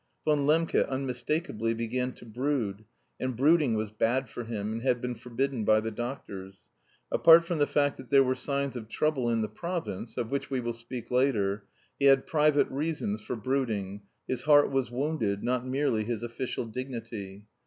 Von Lembke unmistakably began to brood, and brooding was bad for him, and had been forbidden by the doctors. Apart from the fact that there were signs of trouble in the province, of which we will speak later, he had private reasons for brooding, his heart was wounded, not merely his official dignity.